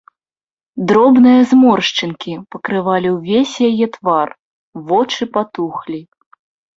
Дробныя зморшчынкі пакрывалі ўвесь яе твар, вочы патухлі.